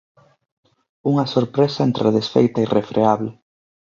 Unha sorpresa entre a desfeita irrefreable.